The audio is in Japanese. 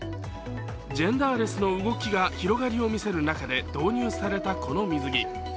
ジェンダーレスの動きが広がりを見せる中で導入されたこの水着。